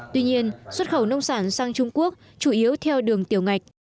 tuy nhiên xuất khẩu nông sản sang trung quốc chủ yếu theo đường tiểu ngạch